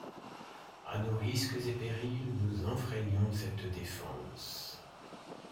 À nos risques et périls, nous enfreignons cette défense.